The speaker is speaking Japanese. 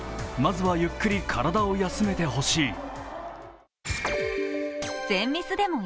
まずはゆっくり体を休めてほしい。